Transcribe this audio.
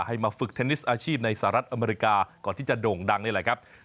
ให้มาฝึกเทนนิสอาชีพในสหรัฐอเมริกาก่อนที่จะโด่งดังนี่แหละครับ